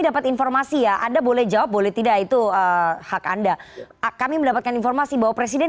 dapat informasi ya anda boleh jawab boleh tidak itu hak anda kami mendapatkan informasi bahwa presiden